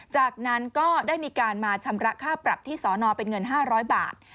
จากนั้นก็ได้มีการมาชำระค่าปรับที่สอนอเป็นเงิน๕๐๐บาท